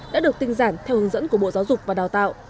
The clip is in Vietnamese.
đã được tinh giản theo hướng dẫn của bộ giáo dục và đào tạo